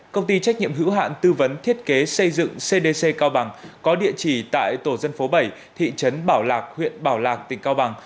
công ty trách nhiệm hữu hạn tư vấn thiết kế xây dựng cdc cao bằng có địa chỉ tại tổ dân phố bảy thị trấn bảo lạc huyện bảo lạc tỉnh cao bằng